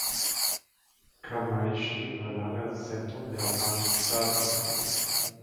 Kamaishi war lange das Zentrum der japanischen Stahlindustrie.